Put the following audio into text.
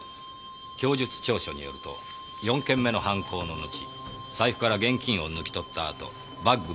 供述調書によると４件目の犯行ののち財布から現金を抜き取った後バッグ